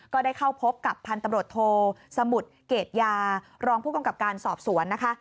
ก็ได้เข้าพบกับพันธุ์ตำรวจโทสมุทรเกรดยารองผู้กำกับการสอบสวนนะคะ